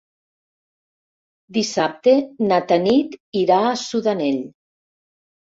Dissabte na Tanit irà a Sudanell.